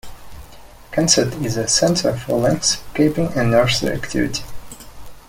Kensett is a center for landscaping and nursery activity.